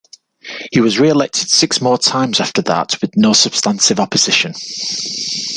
He was reelected six more times after that with no substantive opposition.